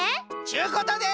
ちゅうことで。